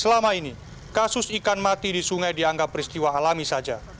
selama ini kasus ikan mati di sungai dianggap peristiwa alami saja